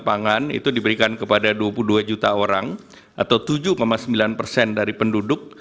dan diberikan kepada dua puluh dua juta orang atau tujuh sembilan persen dari penduduk